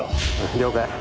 了解。